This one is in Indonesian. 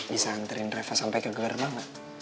bisa nganterin reva sampai ke gerbang nggak